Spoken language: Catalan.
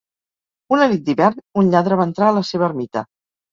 Una nit d'hivern, un lladre va entrar a la seva ermita.